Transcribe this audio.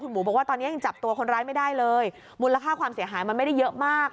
หมูบอกว่าตอนนี้ยังจับตัวคนร้ายไม่ได้เลยมูลค่าความเสียหายมันไม่ได้เยอะมาก